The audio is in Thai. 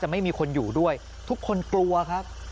หลังที่มีคนปลุกมาแล้วยิง